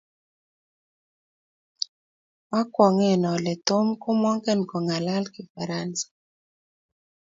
Akwong'e ole Tom komengen kong'alal Kifaransa.